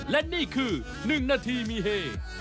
และนี่คือ๑นาทีมีเฮ